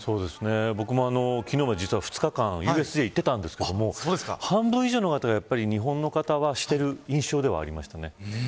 僕も昨日、実は２日間ＵＳＪ行ってたんですけど半分以上の方がやっぱり日本の方はしている印象ではありました。